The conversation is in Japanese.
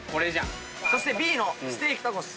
そしてＢのステーキタコス。